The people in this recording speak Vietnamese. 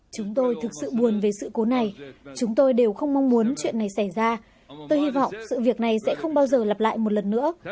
chúng tôi thực sự buồn về sự cố này chúng tôi đều không mong muốn chuyện này xảy ra tôi hy vọng sự việc này sẽ không bao giờ lặp lại một lần nữa